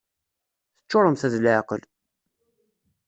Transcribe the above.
Teččuremt d leεqel!